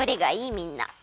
みんな。